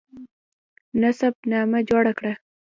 نسب نامه جوړه کړه.